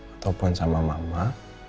ataupun sama mama